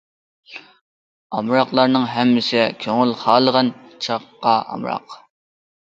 ئامراقلارنىڭ ھەممىسى، كۆڭۈل خالىغان چاغقا ئامراق.